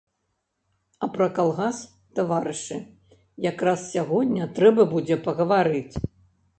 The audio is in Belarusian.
А пра калгас, таварышы, якраз сягоння трэба будзе пагаварыць.